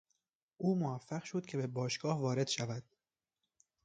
او موفق شد که به باشگاه وارد شود.